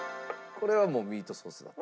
これはもうミートソース？